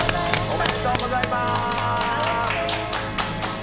おめでとうございます！